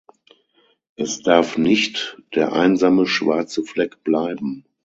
Es darf nicht der einsame schwarze Fleck bleiben.